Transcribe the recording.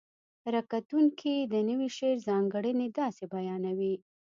ره کتونکي د نوي شعر ځانګړنې داسې بیانوي: